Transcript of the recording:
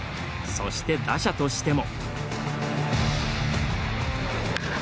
そして打者としても。